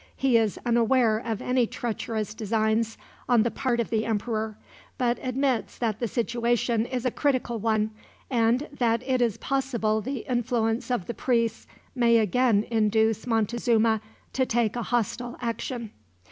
He is unaware of any treacherous designs on the part of the emperor, but admits that the situation is a critical one, and that it is possible the influence of the priests may again induce Montezuma to take a hostile action."